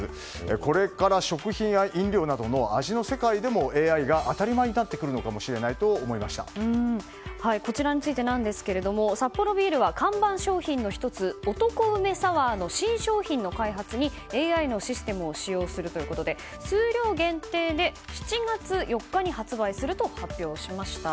これから、食品や飲料などの味の世界でもＡＩが当たり前になってくるのかもこちらについてなんですがサッポロビールは看板商品の１つ男梅サワーの新商品の開発にＡＩのシステムを使用するということで数量限定で７月４日に発売すると発表しました。